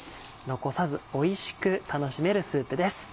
残さずおいしく楽しめるスープです。